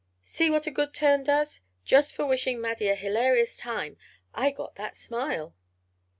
"See what a good turn does. Just for wishing Maddie a hilarious time I got that smile."